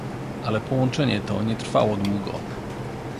Ale połączenie to nie trwało długo.